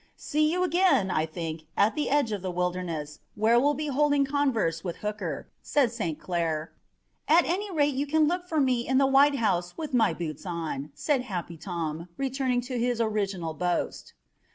"See you again, I think, at the edge of the Wilderness, where we'll be holding converse with Hooker," said St. Clair. "At any rate you can look for me in the White House with my boots on," said Happy Tom, returning to his original boast.